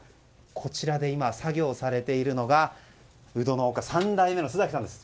こちらで、今作業されているのがウド農家３代目の須崎さんです。